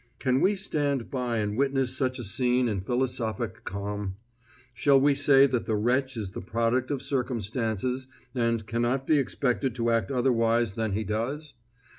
Can we stand by and witness such a scene in philosophic calm? Shall we say that the wretch is the product of circumstances, and cannot be expected to act otherwise than he does?